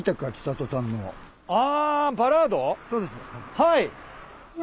はい。